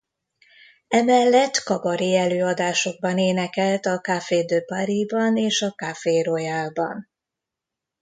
Emellett kabaré-előadásokban énekelt a Café de Parisban és a Café Royalban.